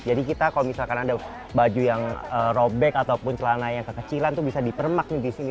jadi kita kalau misalkan ada baju yang robek ataupun celana yang kekecilan tuh bisa dipermak nih di sini